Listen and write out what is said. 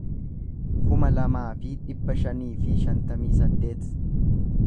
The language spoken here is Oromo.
kuma lamaa fi dhibba shanii fi shantamii saddeet